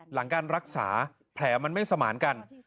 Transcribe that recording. หลังการรักษาแผลมันไม่สมานกัน